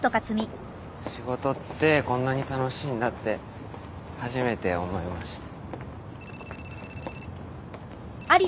仕事ってこんなに楽しいんだって初めて思いました。